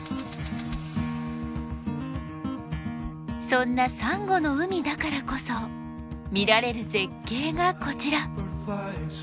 そんなサンゴの海だからこそ見られる絶景がこちら。